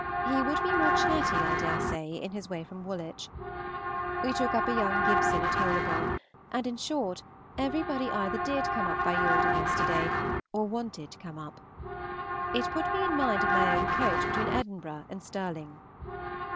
He would be more chatty, I dare say, in his way from Woolwich. We took up a young Gibson at Holybourn, and, in short, everybody either did come up by Yalden yesterday, or wanted to come up. It put me in mind of my own coach between Edinburgh and Stirling.